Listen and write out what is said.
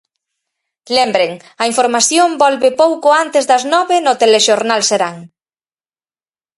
Lembren, a información volve pouco antes das nove no Telexornal Serán.